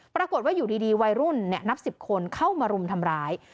ปรากฏว่าอยู่ดีวัยรุ่นนับ๑๐คนเข้ามารุมทำร้าย